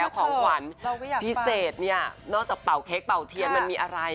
ของขวัญพิเศษเนี่ยนอกจากเป่าเค้กเป่าเทียนมันมีอะไร